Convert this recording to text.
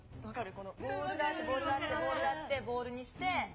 このボールがあってボールがあってボールがあってボールにして。